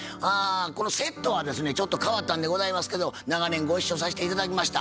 このセットはですねちょっと変わったんでございますけど長年ご一緒させて頂きました。